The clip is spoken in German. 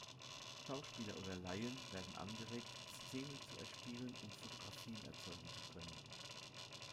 Schauspieler oder Laien werden angeregt, Szenen zu erspielen, um Fotografien erzeugen zu können.